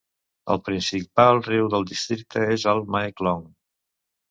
El principal riu del districte és el Mae Klong.